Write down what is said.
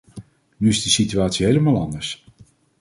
Nu is de situatie helemaal anders.